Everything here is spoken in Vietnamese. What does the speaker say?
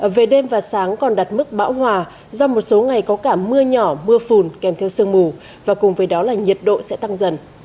về đêm và sáng còn đặt mức bão hòa do một số ngày có cả mưa nhỏ mưa phùn kèm theo sương mù và cùng với đó là nhiệt độ sẽ tăng dần